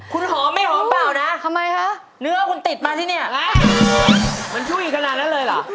คุณหอมไม่หอมเปล่านะเนื้อคุณติดมาที่นี่น่ะอะไรนะมันช่วยขนาดนั้นเลยเหรอ